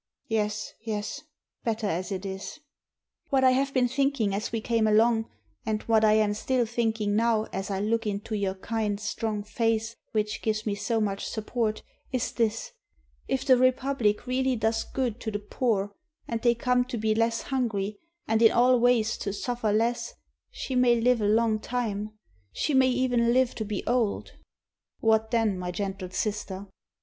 "Yes, yes: better as it is." "What I have been thinking as we came along, and what I am still thinking now, as I look into your kind, strong face which gives me so much support, is this: If the Republic really does good to the poor, and they come 332 AT THE GUILLOTINE to be less hungry, and in all ways to suffer less, she may live a long time; she may even live to be old." ''What then, my gentle sister?"